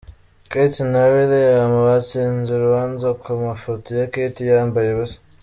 Kate na Wiliyamu batsinze urubanza ku mafoto ya Kate yambaye ubusa